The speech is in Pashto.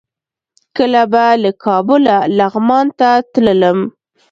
کله به له کابله لغمان ته تللم.